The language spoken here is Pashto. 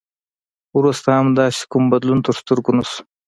وروسته هم داسې کوم بدلون تر سترګو نه شو.